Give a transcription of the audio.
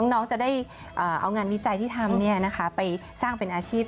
น้องจะได้เอางานวิจัยที่ทำไปสร้างเป็นอาชีพ